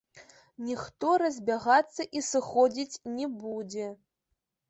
Ніхто разбягацца і сыходзіць не будзе.